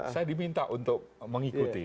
saya diminta untuk mengikuti